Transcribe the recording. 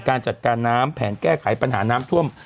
การจัดการน้ำแผนแก้ไขปัญหาน้ำท่วม